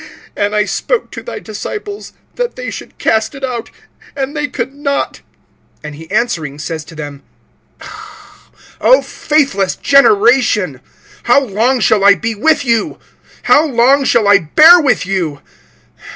And I spoke to thy disciples, that they should cast it out; and they could not. (19)And he answering, says to them: O faithless generation, how long shall I be with you? How long shall I bear with you?